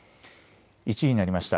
１時になりました。